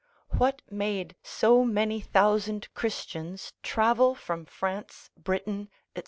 What made so many thousand Christians travel from France, Britain, &c.